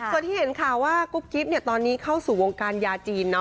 ส่วนที่เห็นข่าวว่ากุ๊กกิ๊บตอนนี้เข้าสู่วงการยาจีน